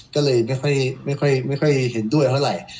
ก็เลยไม่ค่อยเห็นด้วยเท่าไหร่